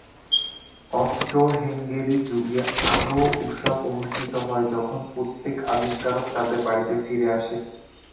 অস্ট্রো-হাঙ্গেরী জুড়ে আরও উৎসব অনুষ্ঠিত হয় যখন প্রত্যেক আবিষ্কারক তাদের বাড়িতে ফিরে আসে।